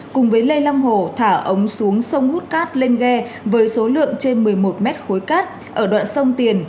cùng với lê long hồ thả ống xuống sông hút cát lên ghe với số lượng trên một mươi một mét khối cát ở đoạn sông tiền